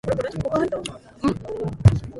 提灯